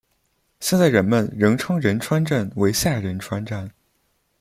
现在人们仍称仁川站为下仁川站。